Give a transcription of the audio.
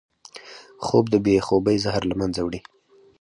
خوب د بې خوبۍ زهر له منځه وړي